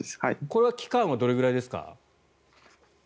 これは期間はどれくらいですか。